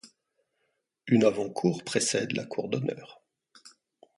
Une avant-cour précède la cour d’honneur.